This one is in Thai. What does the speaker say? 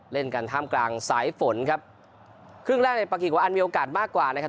เล่นกันท่ามกลางสายฝนครับครึ่งแรกในปากิงกว่าอันมีโอกาสมากกว่านะครับ